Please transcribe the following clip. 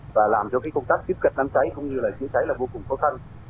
và làm cho công tác tiếp cận nắng cháy cũng như là chữa cháy là vô cùng khó khăn